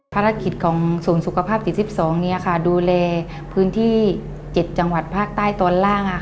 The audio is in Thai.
ภารกิจของศูนย์สุขภาพ๔๒ดูแลพื้นที่๗จังหวัดภาคใต้ตอนล่าง